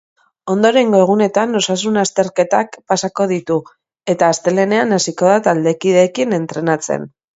Ondorengo egunetan osasun-azterketak pasako ditu, eta astelehenean hasiko da taldekideekin entrenatzen.